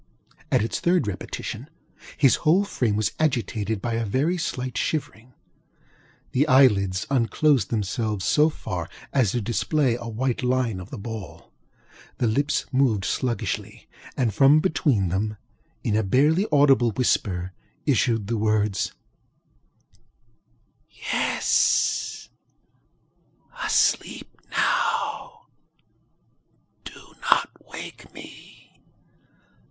At its third repetition, his whole frame was agitated by a very slight shivering; the eyelids unclosed themselves so far as to display a white line of the ball; the lips moved sluggishly, and from between them, in a barely audible whisper, issued the words: ŌĆ£Yes; ŌĆöasleep now. Do not wake me!